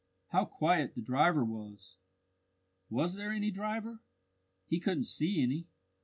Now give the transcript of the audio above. How quiet the driver was! Was there any driver? He couldn't see any.